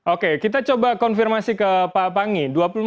oke kita coba konfirmasi ke pak panggi